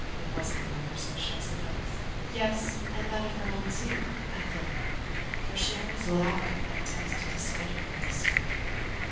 It was her mother's wish, I suppose?" "Yes; and her own too, I think, for she always laughed at my attempts to dissuade her from the step."